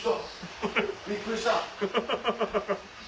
びっくりした。